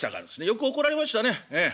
よく怒られましたねええ。